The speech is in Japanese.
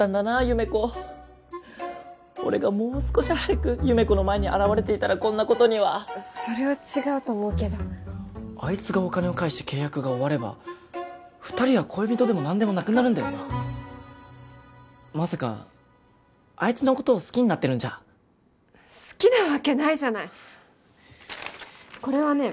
優芽子俺がもう少し早く優芽子の前に現れていたらこんなことにはそれは違うと思うけどあいつがお金を返して契約が終われば２人は恋人でも何でもなくなるんだよなまさかあいつのことを好きになってるんじゃ好きなわけないじゃないこれはね